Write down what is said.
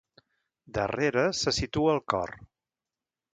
Darrere se situa el cor.